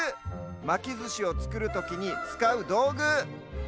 まきずしをつくるときにつかうどうぐ。